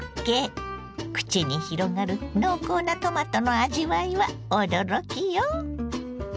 口に広がる濃厚なトマトの味わいは驚きよ。